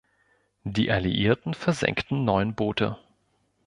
Die Alliierten versenkten neun Boote.